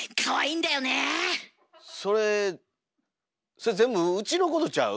それ全部うちのことちゃう？